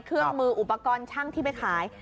เครื่องมืออุปกรณ์ช่างที่ไปขาย